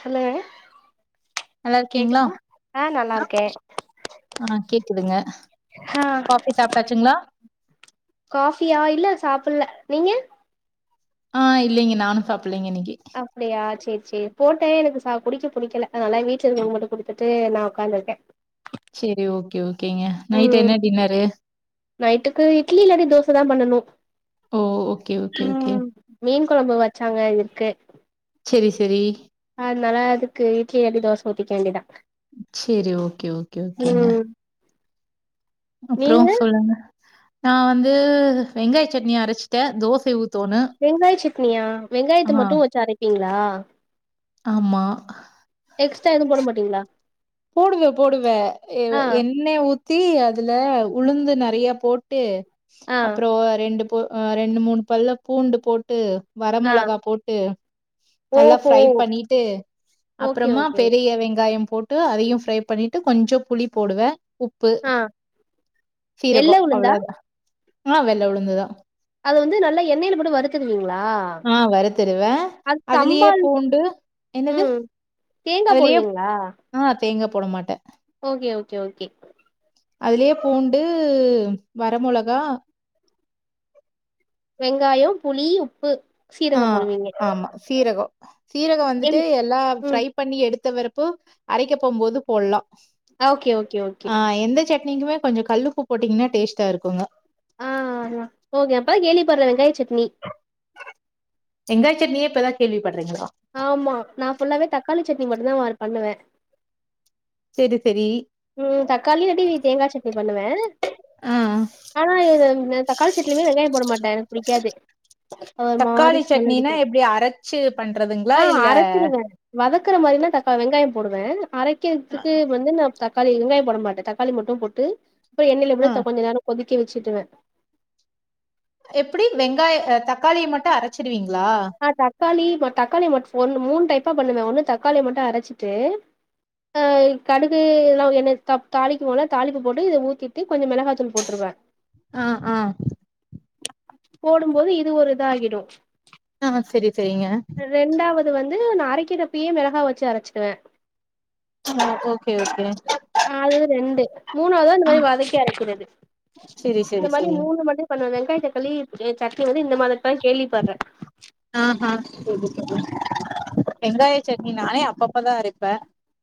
சொல்லுங்க நல்லா இருக்கீங்ளா ஆ நல்லா இருக்கே ஆ கேக்குதுங்க ஆ காஃபி சாப்டாச்சுங்ளா காஃபியா இல்ல சாப்புட்ல நீங்க ஆ இல்லைங்க நானு சாப்புட்லேங்க இன்னைக்கு அப்டியா சேரி சேரி போட்டே எனக்கு சா குடிக்க புடிக்கல அதனால வீட்ல இருக்கவங்ககிட்ட குடுத்துட்டு நா ஒக்காந்துருக்கே செரி ஓகே ஓகேங்க நைட்டு ம் என்ன டின்னரு நைட்டுக்கு இட்லி இல்லாட்டி தோச தா பண்ணனு ஓ! Okay okay okay. ம் மீன் கொழம்பு வச்சாங்க எங்களுக்கு செரி செரி அதுனால அதுக்கு இட்லி இல்வாட்டி தோச ஊத்திக்க வேண்டிதா சேரி ஓகே ஓகே ஓகேங்க அப்றோ நீங்க சொல்லுங்க நா வந்து வெங்காய சட்னிய அரைச்சட்ட தோசை ஊத் வெங்காய சட்னியா வெங்காயத்த மட்டு வெச்சி அரைப்பீங்ளா ஆமா எக்ஸ்ட்ரா எதுவு போட மாட்டீங்ளா போடுவே போடுவே இல்ல என் எண்ண ஊத்தி அதுல உளுந்து நெறயா போட்டு ஆ அப்றோ ரெண்டு ஓ அ ரெண்டு மூணு பல்லு பூண்டு போட்டு வர ஆ மொளகா போட்டு நல்லா ஓஹோ ஃப்ரை பண்ணிட்டு ஓகே அப்புறமா ஓகே பெரிய வெங்காயம் போட் டு அதையும் ஃப்ரை பண்ணிட்டு கொஞ்சோ புளி போடுவே உப் உப்பு ஆ வெள்ள சீரகோ உளுந்தா அவ்ளோ தா ஆ வெள்ள உளுந்துதா அது வந்து நல்லா எண்ணெயில போட்டு வறுத்துக்குவீங்களா? ஆ வறுத்துருவே அது அதுலயே சம்பால் பூண்டு என்னது ம். தேங்கா அதுலயே போடுவீங்ளா ஆ தேங்கா போட மாட்டே ஓகே ஓகே ஓகே அதுலயே பூண்டு வர மொளகா வெங்காயோ புளி உப்பு ஆ சீரகோ போடுவீங்க ஆமா சீரகோ சீரகோ வந்துட்டு எல் எல்லா ம். ஃப்ரை பண்ணி எடுத்த வரப்பு அரைக்க போம்போது போட்லா ஓகே, ஓகே, ஓகே. ஆ எந்த சட்னிக்குமே கொஞ்ச கல்லுப்பு போட்டீங்கன்னா டேஸ்டா இருக்குங்க ஆ ஓகே இப்பதா கேள்விப்பட்றே வெங்காய சட்னி வெங்காய சட்னியே இப்பதா கேள்வி பட்றீங்களா ஆமா நா ஃபுல்லாவே தக்காளி சட்னி மட்டுதா பண்ணுவே செரி செரி ம் தக்காளி இல்லாட்டி தேங்கா சட்னி பண்ணுவே ஆ. ஆனா தக்காளி சட்லுமே வெங்காய போட மாட்டே எனக்கு புடிக்காது அது ஒரு மாரி தக்காளி ஸ்மெல் சட்னினா அடிக்கு எப்டி அரச்சு பண்றதுங்களா ஆ இல்ல அரச்சிருவ வதக்குற மாரினா தக்கா வெங்காய போடுவே அரக்கிறதுக்கு வந்து நா தக்காளி வெங்காய போட மாட்டே தக்காளி மட்டு போட்டு அப்றோ எண்ணெயில ஆ அப்டியே கொஞ்ச நேரோ கொதிக்க வெச்சுருவே எப்டி வெங்காய ஆ தக்காளிய மட்டு அரச்சிடுவீங்களா ஆ தக்காளி மட்டு தக்காளி மட்ட ஒ மூணு டைப்பா பண்ணுவே ஒன்னு தக்காளி மட்டு அரச்சிட்டு ஆ கடுகு இதெல்லா என்ன த தாளிக்குவோல தாளிக்கு போட்டு இத ஊற்றிட்டு கொஞ்சோ மெளகாத்தூள் போட்டுருவே ஆ ஆ போம்போது இது ஒரு இதாகிடு ஆ செரி செரி செரிங்க ரெண்டாவது வந்து நா அரக்கிறப்பவே மெளகா வெச்சு அரச்சிக்குவே ஆ ஓகே ஓகே ஆ அது வந்து ரெண்டு மூணாவதா இந்த மாரி வதக்கி அரக்கிறது செரி இந்த செரி மாரி செரிங்க மூணு மட் பண்ணுவ வெங்காய தக்காளி சட்னி வந்து இந்த மாரி இப்பதா கேள்விப்பட்றே ஆஹா வெங்காய சட்னி நானே அப்பப்பதா அரைப்பே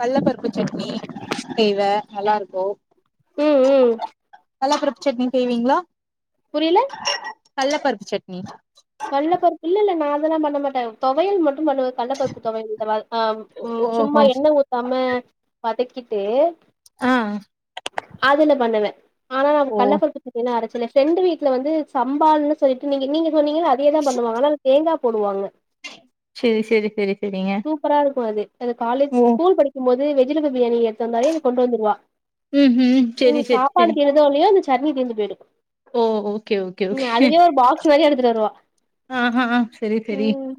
கல்ல பருப்பு சட்னி செய்வே நல்லா இருக்கு ம் ம் கல்லா பருப்பு சட்னி செய்வீங்களா புரியில கல்ல பருப்பு சட்னி கல்ல பருப்பு இல்ல இல்ல நா அதெல்லா பண்ண மாட்டே தொவையல் மட்டு பண்ணுவ கல்லப்பருப்பு தொவையல் இந்த மாரி ஆ ஓஹோ சும்மா எண்ண ஊத்தாம வதக்கிட்டு ஆ அதுல பண்ணுவே ஆனா நா ஓ கல்ல பருப்பு பாத்தீங்கன்னா அரச்ச இல்ல ஃப்ரெண்டு வீட்ல வந்து சம்பால்ன்னனு சொல்லிட்டு நீங்க நீங்க சொன்னீங்கா அப்டியே தா பண்ணுவாங்க ஆனா அதுல தேங்கா போடுவாங்க சேரி சேரி சேரி சேரிங்க சூப்பரா இருக்கு அது அது காலேஜ் ஸ்கூல் படிக்கும் போது வெஜிடபிள் பிரியாணி ஏடுத்துட்டு வந்தாலே அது கொண்டு வந்துருவா ம் செரி ம் செரி செரி சாப்பாடுக்கு திருதோ இல்லியோ அந்த சட்னி தீர்ந்து போயிடு ஓ ஓகே ஓகே ம் ஓகே அதுலயே ஒரு பாக்ஸ் நெறைய எடுத்துட்டு வருவா ஆஹா செரி செரி ம்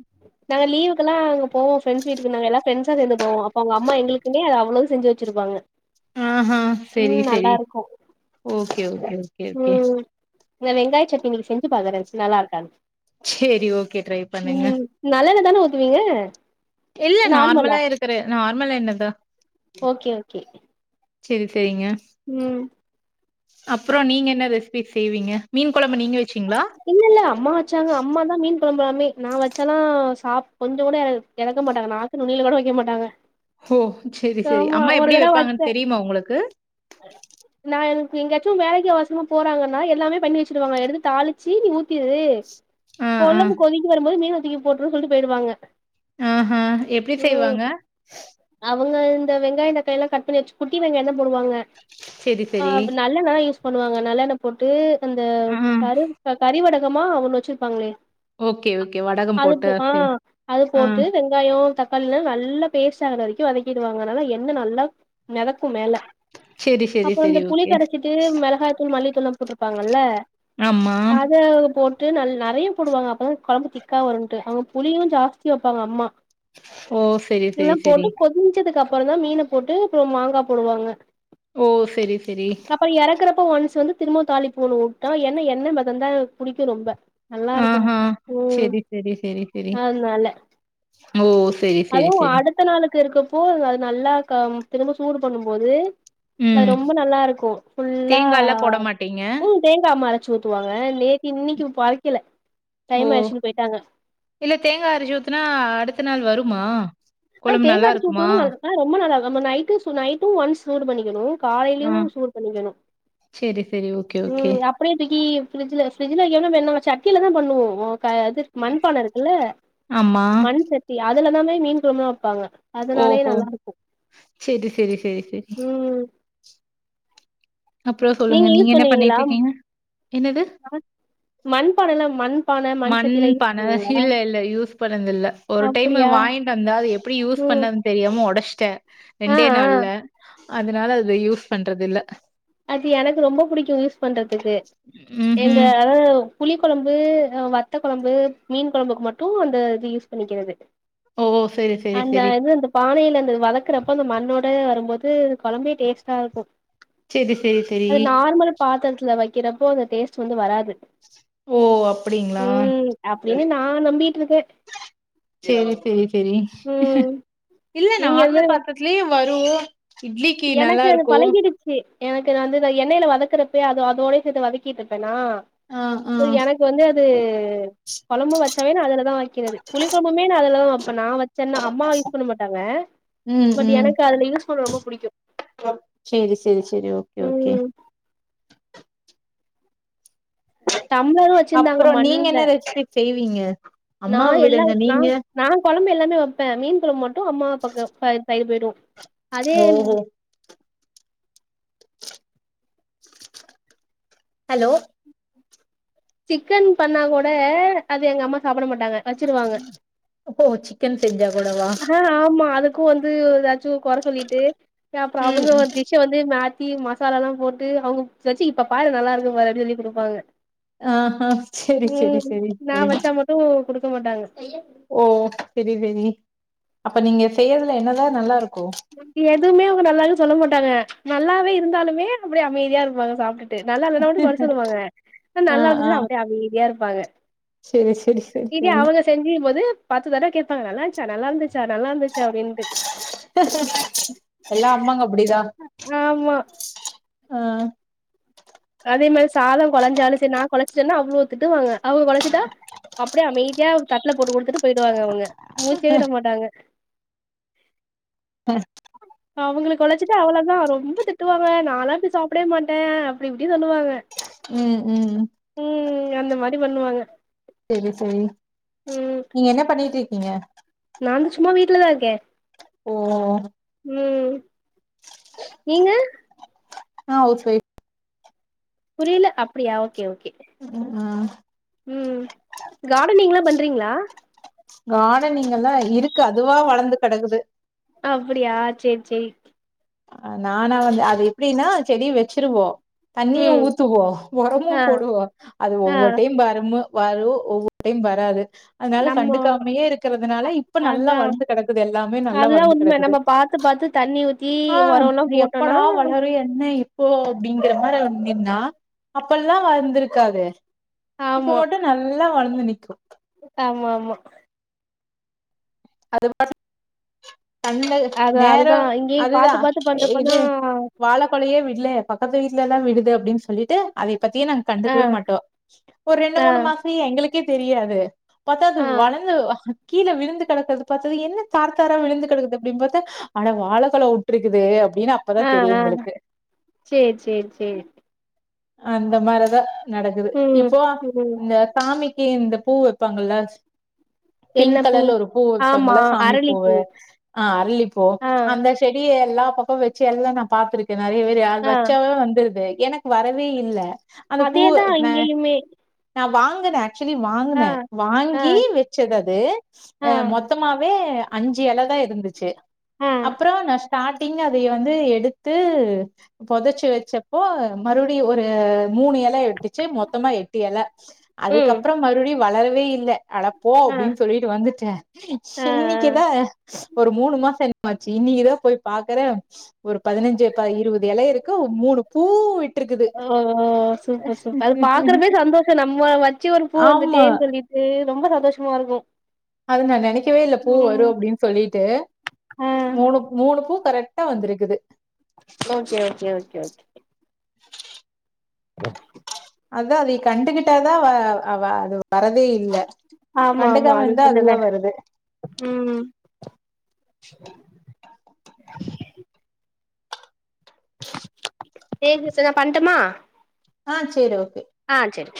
நாங்க லீவுக்கெல்லா அங்க போவோ பிரெண்ஸ் வீட்டுக்கு நாங்கல்லா பிரண்ட்ஸா சேந்து போவோ அப்ப அவங்க அம்மா எங்களுக்குன்னே அவ்ளோ செஞ்சு வெச்சிருப்பாங்க ஆஹா செரி செரி ஓகே ஓகே ஓகே ஓகே ம் நா வெங்காய சட்டினி இன்னிக்கி செஞ்சு பாக்குறே நல்லா இருக்கானு சேரி ஓகே ட்ரை பண்ணுங்க ம் நல்லெண்ண தான ஊத்துவீங்க இல்ல நார்மலா இருக்குற நார்மல் எண்ணதா ஓகே ஓகே செரி செரிங்க ம் அப்ரோ நீங்க என்ன ரெசிபி செய்வீங்க மீன் கொழம்பு நீங்க வச்சீங்களா இல்ல இல்ல அம்மா வச்சாங்க அம்மா தா மீன் குழம்பலாமே நா வச்சாலா சாப் கொஞ்சோ கூட எறக்க மாட்டாங்க நாக் கு நுணில கூட வைக்க மாட்டாங்க ஓ செரி செரி ஆமா அம்மா ஒரு எப்டி தடவ வைப்பாங்கன்னு வச்சே தெரியுமா உங்களுக்கு நான் எனக்கு எங்காச்சு வேலைக்கு வசமா போறாங்கன்னா எல்லாமே பண்ணி வச்சிருவாங்க எடுத்து தாலிக் சீனி ஊத்திரு ஆ ஆ கொழம்பு கொதிக்கு வரும்போது மீன தூக்கி போட்ருன்னு சொல்லிட்டு போய்டுவாங்க ஆ ஹா எப்டி செய்வாங்க அவங்க இந்த வெங்காய தக்காளி எல்லா கட் பண்ணி வச்சு குட்டி வெங்காயோ தா போடுவாங்க செரி ஆ செரி நல்லெண்ண தா யூஸ் பண்ணுவாங்க நல்லெண்ண போட்டு அந்த ஆ கரு க கறிவடகமா ஒண்ணு வச்சிருப்பாங்களே ஓகே அ ஓகே வடகம் அது போ போட்டு ஆ செ அது ஆ போட்டு வெங் வெங்காயோ தக்காளிலா நல்லா பேஸ்ட் ஆகுற வரைக்கு வதக்கிடுவாங்க அதனால எண்ண நல்லா மெதக்கு மேல செரி செரி அப்றோ செரி இந்த புளி ஓகே கரைச்சிட் ட்டு மிளகாதூள் மல்லித்தூள்லா போட்ருப்பாங்கல்ல ஆமா அத போட் ட்டு நல் நெறைய போடுவாங்க அப்பதா கொழம்பு திக்கா வரும்ட்டு அவங்க புளியு ஜாஸ்தியா வப்பாங்க அம்மா ஓ செரி இதெல்லா செரி போட்டு செரி கொதிஞ்சத்துக்கு அப்றோ தா மீன போட்டு அப்றோ மாங்கா போடுவாங்க ஓ சேரி சேரி அப்றோ எறக்குறப்ப ஒன்ஸ் வந்து திரும்பவு தாளிப்பு ஒன்னு வுட்டா ஏன்னா எண்ண மெதந்தா எனக்கு பிடிக்கு ரொம்ப ஹ நல்லாருக்கும் ஹ ம் சேரி சேரி சேரி சேரி அதனால ஓ சேரி சேரி சேரி அட்த்த நாளுக்கு இருக்கப்போ அது நல்லா திரும்ப சூடு பண்ணும் போது அது ம். ரொம்ப நல்லா இருக்கு ஃபுல்லா தேங்காலாம் போட மாட்டீங்க? ம் தேங்கா‌ அம்மா அரைச்சு ஊத் துவாங்க நேத்து இன்னைக்கு அரைக்கல ஓ! டைம் ஆச்சுன்னு போயிட்டாங்க இல்ல தேங்கா அரச்சி ஊத்துனா அடுத்த நாள் வருமா ஆ கொழம்பு தேங்கா நல்லா அரச்சி இருக்குமா? ஊத்துனாலு நல் ஆ ரொம்ப நல்லாருக்கு நம்ம நைட்டு நைட்டும் ஒன்ஸ் சூடு பண்ணிக்கணு ஆ. காலையிலயு சூடு பண்ணிக்கணு சரி, சரி. Okay, okay. ம் அப் அப்டியே தூக்கி ஃப்ரி்ஜ்ல ஃப்ரிஜ்ல வைக்காம நம்ம என்னா சட்டில தா பண்ணுவோ ஓ க அது மண்பான இருக்குல்ல ஆமா. மண் சட்டி அதுலதாமே மீன் குழம்பெல்லா வப்பாங்க அதனாலே ஓஹோ! நல்லா இருக்கும் சரி, சரி, சரி, சரி. ம் அப்றோ சொல்லுங்க நீங்க யூஸ் என்ன பண்ணுவீங்களா பண்ணிட்டு இருக்கீங்க என்னது மண் பானைல மண் பான மண் சட்டிலா யூஸ் பான பண்ணுவீங்களா இல்ல இல்ல யூஸ் பண்ணது இல்ல ஒரு டைம் அப்டியா வாங்கிட்டு வந்தா அது எப்டி யூஸ் ம் பண்ணது தெரியாம ஒடச்சிட்டே ஆ ரெண்டே ஆ நாள்ல அதனால அத யூஸ் பண்றது இல்ல அது எனக்கு ரொம்ப புடிக்கு யூஸ் பண்றதுக்கு எங்க ம்ஹ்ம். ஆ புளி கொழம்பு வத்த கொழம்பு மீன் கொழம்புக்கு மட்டு அந்த இது யூஸ் பண்ணிக்கிறது ஓ சரி சரி அந்த சரி இது வந்து பானைல அந்த வதக்குறப்ப அந்த மண்ணோட வரும்போது கொழம்பே டேஸ்ட்டா இருக்கும் செரி செரி செரி அது நார்மல் பாத்திரத்துல வைக்கிறப்போ அந்த டேஸ்ட் வந்து வராது ஓ அப்டிங்களா ம் அப்டின்னு நா நம்பிட்டு இருக்கே சேரி சேரி சேரி ம் இல்ல நீங்க நார்மல் பாத்தரத்துலயே வரு இட்லிக்கு நல்லா இருக்கூ கி எனக்கு நா வந்து எண்ணெயில வதக்குறப்ப அ அதோட சேர்த்து வதக்கிட்டு இருப்பேனா ஆ ஆ சோ எனக்கு இப்ப வந்து அது கொழம்பு வச்சாவே அதுலதா வைக்கிறது புளி கொழம்புமே நா அதுல தா வப்பே நா வச் வச்சன்ன அம்மா யூஸ் பண்ண மாட்டாங்க பட் எனக்கு அதுல யூஸ் பண்ண ரொம்ப பிடிக்கும் செரி செரி செரி ஓகே ஓகே ம் டம்ளரு வச்சிருந்தாங்க அப்புறம் நீங்க என்ன மண்ல ரெசிப்பீஸ் செய்வீங்க நா அம்மாவ எல்லா விடுங்க நா நீங்க நா கொழம்பு எல்லாமே வைப்பேன் மீன்கொழம்பு மட்டும் அம்மா அப்பாக்கு சைடு போய்டு அதே ஓஹோ ஹலோ சிக்கன் பண்ணா கூட அது எங்க அம்மா சாப்பிட மாட்டாங்க வச்சிருவாங்க ஓ சிக்கன் செஞ்ஜா கூடவா ஆ ஆமா அதுக்கும் வந்து ஏதாச்சும் கொற சொல்லிட்டு ஏ அப்புறம் ம் அவுங்க ஒரு டிஷ் ஷ வந்து மாத்தி மசாலா எல்லாம் போட்டு அவங்க வச்சு இப்ப பாரு நல்லா இருக்கும் பாரு அப்படின்னு சொல்லி கொடுப்பாங்க ஆஹா சரி சரி உம் சரி நா சரி வச்சா மட்டும் குடுக்க மாட்டாங்க ஓ செரி செரி அப்ப நீங்க செய்யதுல என்னதான் நல்லா இருக்கும் எதுவுமே அவங்க நல்லா சொல்ல மாட்டாங்க நல்லாவே இருந்தாலுமே அப்படி அமைதியா இருப்பாங்க சாப்பிட்டு ட்டு நல்லா இல்லன்னா அப்டி கொற சொல்லுவாங்க ஆ நல்லா ஆ இருந்துச்சுன்னா அப்படியே அமைதியா இருப்பாங்க செரி செரி செரி செரி செஞ்சுங் போது பத்து தடவ கேட்பாங்க நல்லா இருந்ச்சா நல்லா இருந்துச்சா நல்லா இருந்துச்சா அப்டின்ட்டு எல்லா அம்மாங்க அப்டிதான் ஆமா அ அதே மாரி சாதம் குலைஞ்சாலும் சரி நான் கொலைச்சிட்டேன்னா அவ்ளோ திட்டுவாங்க அவங்க கொலைச்சுட்டா அப்டியே அமைதியா தட்டுல போட்டு கொடுத்துட்டு போயிடுவாங்க அவுங்க மூச்சே விட மாட்டாங்க ஹ அவுங்களுக்கு கொழச்சிட்டு அவ்வளோதான் ரொம்ப திட்டுவாங்க நாளா இப்டி சாப்டே மாட்டேன் அப்டி இப்டி சொல்லுவாங்க உம் உம் உம் அந்த மாரி பண்ணுவாங்க செரி செரி நீங்க என்ன பண்ணிட்டு இருக்கீங்க நான் வந்து சும்மா வீட்டுலதான் இருக்கேன் ஓ உம் நீங்க நா ஹவுஸ் ஒய் புரில அப்டியா ஓகே ஓகே ம் ஆ ம் கார்டனிங்ல்லாம் பண்றீங்ளா கார்டனிங் எல்லாம் இருக்கு அதுவா வளர்ந்து கிடக்குது அப்டியா செரி செரி அ நானா வந்து அது எப்படின்னா செடிய வச்சிருவோம் தண்ணியும் ம் ஊத்துவோம் ஆ ஒரமும் போடுவோம் அது ஆ ஒவ்வொரு டைம் வருமும் வரு ஒவ்வொரு டைம் வராது அதனால நம்மோ கண்டுக்காமையே இருக்கிறதுனால இப்ப நல்லா அதா வளர்ந்து கிடக்குது எல்லாமே நல்லா அதுதா வளர்ந்து உண்ம கிடக்குது நம்ம பாத்து பாத்து தண்ணி ஊ ஆ எப்படா வளரும் என்ன ஓ அப்டிங்கிற மாரி நின்னா அப்ப எல்லாம் வளந்திருக்காது இப்ப ஆமா மட்டும் நல்லா வளந்து நிக்கும் ஆமா ஆமா அதுவா அது சந்த அது நேரோ அதுதா இங்கேயு அதுதா பாத்து பாத்து இது பண்றப்பதா வாழ கொலையே விடுலே பக்கத்து வீட்லல தா விடுது அப்டின்னு சொல்லிட்டு அதைப் பத்தியே நாங் ஆ கண்டுக்கவே மாட்டோ ஒரு ரெண்டு ஆ மூணு மாசோ எங்களுக்கே தெரியாது பாத்தா அது ஆ வளந்து கீழ விழுந்து கெடக்கறத பாத்தது என்ன தார்தாரா விழுந்து கிடக்குது அப்டினு பாத்தா அட வாழக்கொல உட்ருக்குது அப்டின்னு அ அப்பதா ஆ தெரியு ஆ எங்களுக்கு சேரி சேரி சேரி அந்த மாரிதா நடக்குது ம் இப்போ ம் இந்த சாமிக்கு இந்த பூ வைப்பாங்கள்ல்ல என்ன பூ பூ ஆமா வப்பாங்கள சாமி அரளிப்பூ பூவு ஆ அருளிப்பூ ஆ அந்த செடிய எல்லா பக்கோ வச்சு எல்லா நா பாத்திருக்கே நறைய பேரு அது ஆ வச்சாவே வந்துருது எனக் வரவே இல்ல அந்த பூவு அதேதா ந இங்கேயுமே நா வாங்கன ஆக்சுவலி வாங்கன ஆ ஆ வாங்கி வச்சது அது ஆ அ மொத்தமாவே அஞ்சு எல தா இருந்துச்சு ஆ அப்பறோ நஷ் ஸ்டாடிங் அதைய வந்து எடுத்து பொதச்சு வச்ச ப்போ மறுபடிய ஒரு மூணு எல எட்டுச்சு மொத்தமா எட்டு எல ம் அதுக்கப்புறோ மறுபுடியு வளரவே இல்ல அடப்போ ஆ அப்டின்னு சொல்லிட்டு வந்துட்ட ஆ ஆ இன்னைக்குதா ஒரு மூணு மாசோ என்னாச்சு இன்னைக்குதா போய் பாக்கற ஒரு பதினஞ்சுகா இருவது எல இருக்கு மூணு பூ விட்டுருக்குது ஓ சூப்பர் சூப்பர் அது பாக்குறமே சந்தோஷோ நம்ம வச்சு ஒரு பூ ஆமா வந்துட்டேன் சொல்லிட் டு ரொம்ப சந்தோஷமா இருக்கு அது நா நெனைக்கவே இல்ல பூ வரு ம் அப்டின் சொல்லிட்டு ஆ மூணு மூணு பூ கரெக்டா வந்திருக்குது ஓகே ஓகே ஓகே ஓகே அத அதை கண்டுகிட்டாதா அவ அவ அது வரதே இல்ல ஆமா ஆமா கண்டகாம அது இந்தா சொல்லுங்க அதெல்லா வருது ம் தேஜஸ் நா பண்ட்டுமா ஆ சேரி ஓகே ஆ சேரி